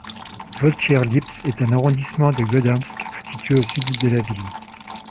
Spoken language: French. Wojciech-Lipce est un arrondissement de Gdańsk situé au sud de la ville.